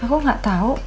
aku nggak tahu